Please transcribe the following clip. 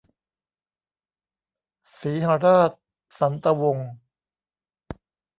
สีหราช สันตะวงศ์